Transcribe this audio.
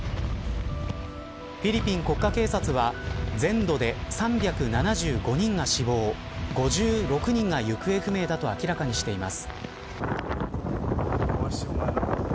フィリピン国家警察は全土で３７５人が死亡５６人が行方不明だと明らかにしています。